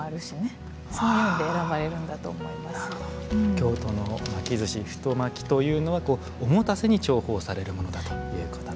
京都の巻きずし太巻きというのはおもたせに重宝されるものだということなんですね。